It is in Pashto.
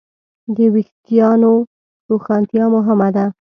د وېښتیانو روښانتیا مهمه ده.